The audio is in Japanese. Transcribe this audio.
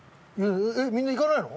えっみんな行かないの？